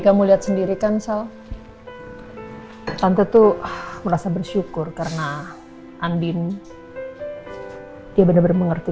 kamu lihat sendiri kan selalu tante tuh merasa bersyukur karena andin dia benar benar mengerti